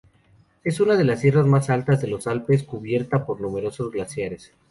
Es una de las sierras más altas de los Alpes, cubierta por numerosos glaciares.